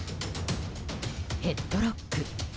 ヘッドロック。